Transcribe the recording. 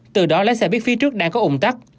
từ đó lái xe biết phía trước đang có ụm tắc